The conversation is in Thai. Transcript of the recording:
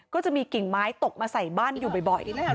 ก็จะมีกิ่งไม้ตกมาใส่บ้านอยู่บ่อย